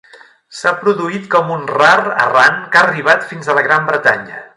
S'ha produït com un rar errant que ha arribat fins a la Gran Bretanya.